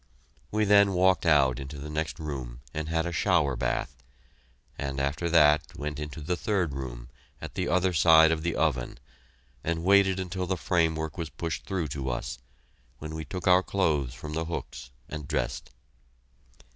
We then walked out into the next room and had a shower bath, and after that went into the third room at the other side of the oven, and waited until the framework was pushed through to us, when we took our clothes from the hooks and dressed.